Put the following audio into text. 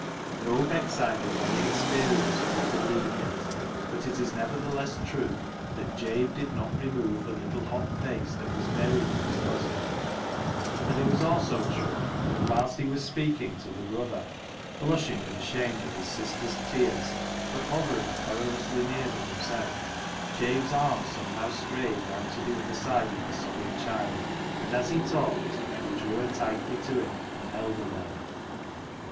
No Becksider of any experience would have believed it, but it is nevertheless true, that Jabe did not remove the little hot face that was buried in his bosom, and it was also true that whilst he was speaking to the brother, blushing and ashamed of his sister's tears, but hovering perilously near them himself, Jabe's arm some how strayed round to the other side of the sobbing child, and as he talked he drew her tightly to him and held her there.